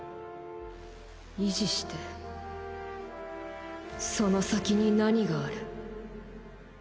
維持してその先に何がある。